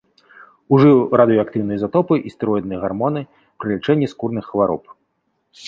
Ужыў радыеактыўныя ізатопы і стэроідныя гармоны пры лячэнні скурных хвароб.